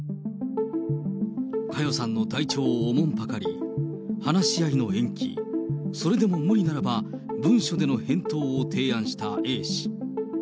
佳代さんの体調をおもんぱかり、話し合いの延期、それでも無理ならば、文書での返答を提案したＡ氏。